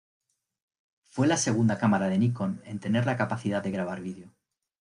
Fue la segunda cámara de Nikon en tener la capacidad de grabar vídeo.